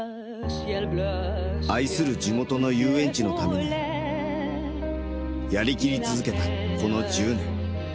愛する地元の遊園地のために、やり切り続けたこの１０年。